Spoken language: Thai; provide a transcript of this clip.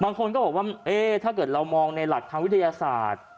บางคนก็บอกว่าถ้าเกิดเรามองในหลักทางวิทยาศาสตร์